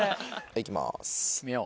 行きます。